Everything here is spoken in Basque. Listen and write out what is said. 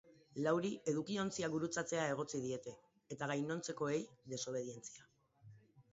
Lauri edukiontziak gurutzatzea egotzi diete, eta gainontzekoei, desobedientzia.